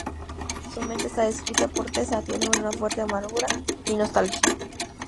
Su mente está descrita por Tessa, tiene una fuerte amargura y nostalgia.